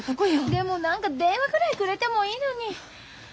でも何か電話くらいくれてもいいのに。